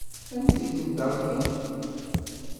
Anda ay tent-terkiḍ?